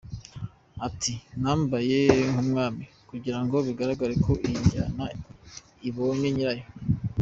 Ati “Nambaye nk’umwami kugira ngo bigaragare ko iyi njyana ibonye nyirayo.